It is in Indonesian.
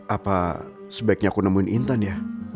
apa sebaiknya aku nemuin intan ya